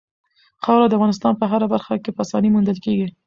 خاوره د افغانستان په هره برخه کې په اسانۍ موندل کېږي.